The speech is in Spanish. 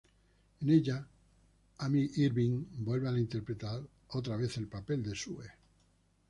En ella Amy Irving vuelve a interpretar otra vez el papel de Sue.